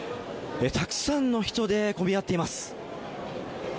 たくさんの人で混み合っています。